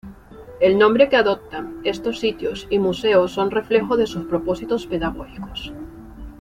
El nombre que adoptan estos sitios y museos son reflejo de sus propósitos pedagógicos.